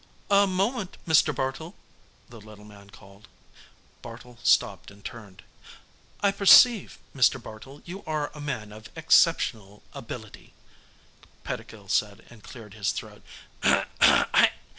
"A moment, Mr. Bartle " the little man called. Bartle stopped and turned. "I perceive, Mr. Bartle, you are a man of exceptional ability," Pettigill said and cleared his throat.